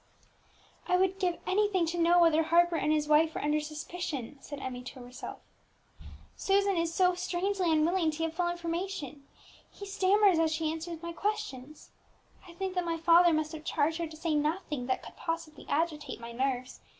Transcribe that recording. "I would give anything to know whether Harper and his wife are under suspicion!" said Emmie to herself. "Susan is so strangely unwilling to give full information, she stammers as she answers my questions. I think that my father must have charged her to say nothing that could possibly agitate my nerves.